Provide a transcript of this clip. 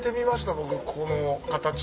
僕この形の。